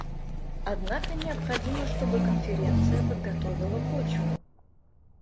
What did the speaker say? Однако необходимо, чтобы Конференция подготовила почву.